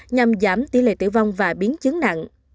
nhằm giảm tỷ lệ tử vong và biến chứng nặng